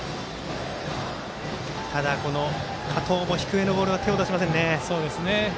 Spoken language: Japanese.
ただ加藤も低めのボールに手を出しませんね。